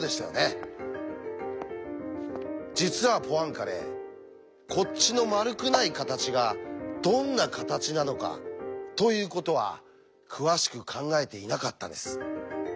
実はポアンカレこっちの「丸くない形がどんな形なのか」ということは詳しく考えていなかったんです。